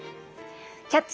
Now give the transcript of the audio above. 「キャッチ！